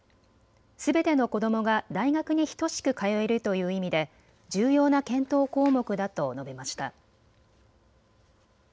すべての子どもが大学に等しく通えるという意味で重要な検討項目だと述べました。